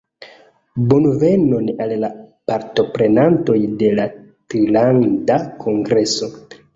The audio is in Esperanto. Bonvenon al la partoprenantoj de la Trilanda Kongreso